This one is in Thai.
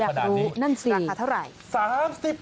ราคาเท่าไหร่